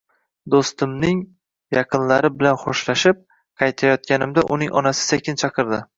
Doʻstimning yaqinlari bilan xoʻshlashib, qaytayotganimda, uning onasi sekin chaqirdi.